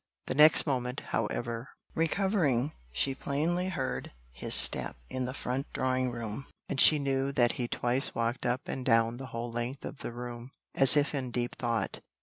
The next moment, however, recovering, she plainly heard his step in the front drawing room, and she knew that he twice walked up and down the whole length of the room, as if in deep thought.